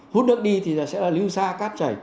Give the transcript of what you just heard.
hút nước đi thì sẽ là lưu xa cát chảy